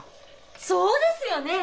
そうですよねえ！